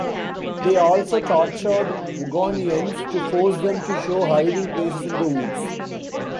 They also tortured Ugaunians to force them to show hiding places in the woods.